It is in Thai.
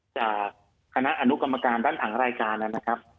จากคณะอนุกรรมการด้านหลังรายการนะครับ